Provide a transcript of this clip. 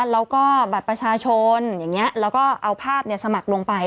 แล้วก็บัตรประชาชนอย่างนี้แล้วก็เอาภาพสมัครลงไป